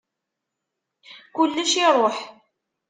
Kullec iṛuḥ.